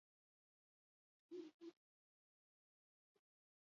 Iturri ofizialen arabera, konboi humanitario baten ondoan izan da eztanda.